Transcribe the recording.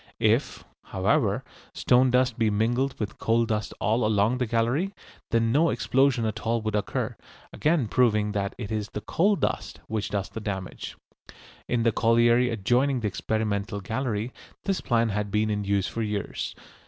If, however, stone dust be mingled with coal dust all along the gallery, then no explosion at all would occur, again proving that it is the coal dust which does the damage. In the colliery adjoining the experimental gallery this plan had been in use for years.